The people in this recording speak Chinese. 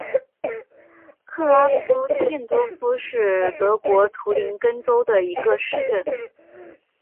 克拉夫茨多夫是德国图林根州的一个市镇。